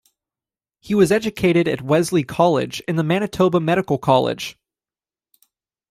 He was educated at Wesley College and the Manitoba Medical College.